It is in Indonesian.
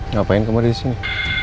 ngapain kamu ada disini